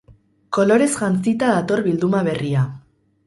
Kolorez jantzita dator bilduma berria.